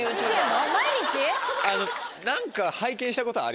何か。